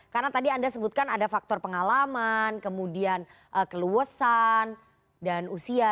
karena tadi anda sebutkan ada faktor pengalaman kemudian keluasan dan usia